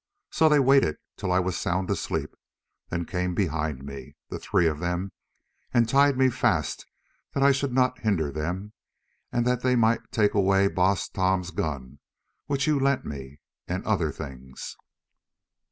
So they waited till I was sound asleep, then came behind me, the three of them, and tied me fast that I should not hinder them and that they might take away Baas Tom's gun which you lent me, and other things.